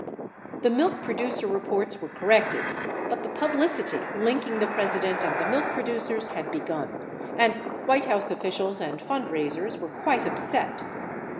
48 The milk producer reports were corrected, but the publicity linking the President and the milk producers had begun, and White House officials and fundraisers were quite upset.